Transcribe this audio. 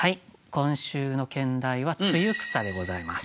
今週の兼題は「露草」でございます。